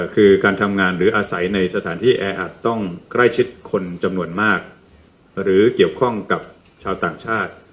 คือการทำงานหรืออาศัยในสถานที่แออัดต้องใกล้ชิดคนจำนวนมากหรือเกี่ยวข้องกับชาวต่างชาติ